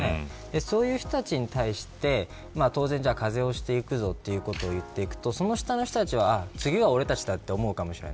そういう人たちに対して当然、課税をしていくぞということをいっていくと、その下の人たちは次は俺たちだと思うかもしれない。